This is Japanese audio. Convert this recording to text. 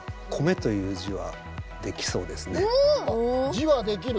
字はできる？